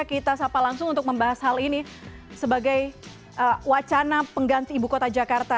kita sapa langsung untuk membahas hal ini sebagai wacana pengganti ibu kota jakarta